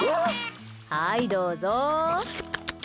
はい、どうぞ。